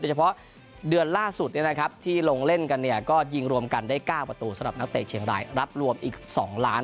โดยเฉพาะเดือนอ่านล่าสุดที่ลงเล่นกันก็ยิงรวมกันได้๙ประตูที่เชียงรายรับรวมอีก๒ล้าน